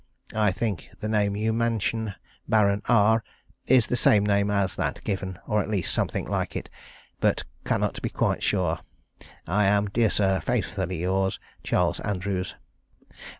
I think the name you mention Baron R, is the same name as that given or at least something like it but cannot be quite sure. I am, "Dear sir, "Faithfully yours, "CHARLES ANDREWS.